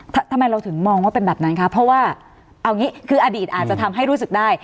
ทำไมเราถึงมองว่าเป็นแบบนั้นคะเพราะว่าเอางี้คืออดีตอาจจะทำให้รู้สึกได้